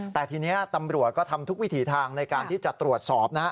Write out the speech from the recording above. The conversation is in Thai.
แต่ทีนี้ตำรวจก็ทำทุกวิถีทางในการที่จะตรวจสอบนะฮะ